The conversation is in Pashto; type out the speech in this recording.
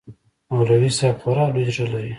مولوى صاحب خورا لوى زړه لري.